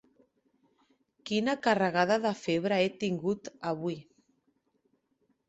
Quina carregada de febre he tingut, avui!